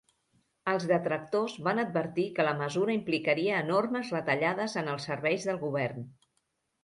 Els detractors van advertir que la mesura implicaria enormes retallades en els serveis del govern.